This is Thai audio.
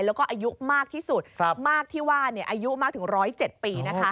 แล้วก็อายุมากที่สุดมากที่ว่าอายุมากถึง๑๐๗ปี